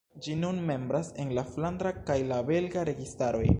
Ĝi nun membras en la flandra kaj la belga registaroj.